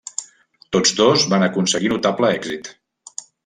Tots dos van aconseguir notable èxit.